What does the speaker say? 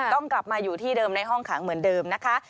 ต้องกลับมาอยู่ที่เดิมในห้องขังเหมือนเดิมนะคะ